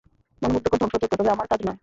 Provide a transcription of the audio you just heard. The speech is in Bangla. মনোমুগ্ধকর ধ্বংসযজ্ঞ, তবে আমার কাজ নয়।